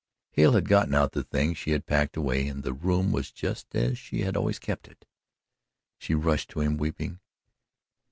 Hale had gotten out the things she had packed away and the room was just as she had always kept it. She rushed to him, weeping.